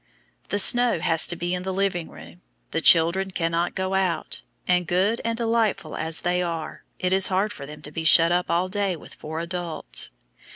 The stove has to be in the living room, the children cannot go out, and, good and delightful as they are, it is hard for them to be shut up all day with four adults.